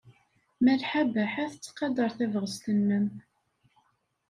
Malḥa Baḥa tettqadar tabɣest-nnem.